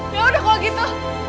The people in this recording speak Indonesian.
ya udah kalau gitu